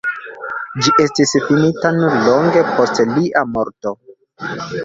Ĝi estis finita nur longe post lia morto.